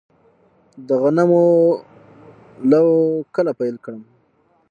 د غنمو لو کله پیل کړم؟